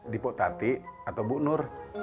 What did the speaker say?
dipotati atau bu nur